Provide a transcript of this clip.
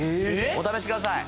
お試しください